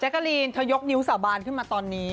แจ๊กะรีนเธอยกนิ้วสาบานตอนนี้